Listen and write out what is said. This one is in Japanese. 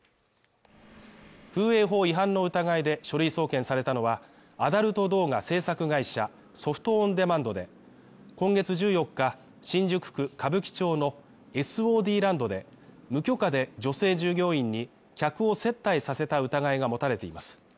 風営法違反の疑いで書類送検されたのは、アダルト動画制作会社ソフト・オン・デマンドで、今月１４日、新宿区歌舞伎町のＳＯＤＬＡＮＤで無許可で女性従業員に客を接待させた疑いが持たれています。